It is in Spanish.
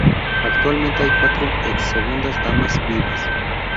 Actualmente hay cuatro ex segundas damas vivas.